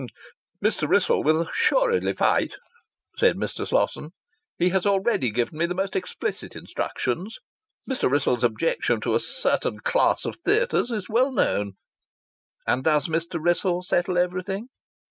"Mr. Wrissell will assuredly fight," said Mr. Slosson. "He has already given me the most explicit instructions. Mr. Wrissell's objection to a certain class of theatres is well known." "And does Mr. Wrissell settle everything?"